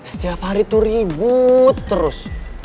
setiap hari itu ribut terus